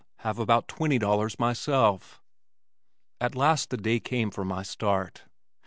Have about twenty dollars myself." At last the day came for my start.